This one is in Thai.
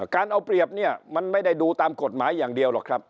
การเอาเปรียบเนี่ยมันไม่ได้ดูตามกฎหมายอย่างเดียวหรอกครับ